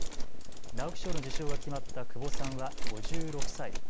直木賞の受賞が決まった窪さんは５６歳。